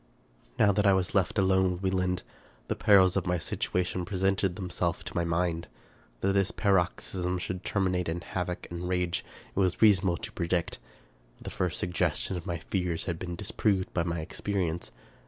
Now that I was left alone with Wieland, the perils of my situation presented themselves to my mind. That this paroxysm should terminate in havoc and rage it was rea sonable to predict. The first suggestion of my fears had been disproved by my experience.